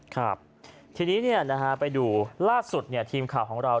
ครับทีนี้ไปดูล่าสุดทีมข่าวของเรา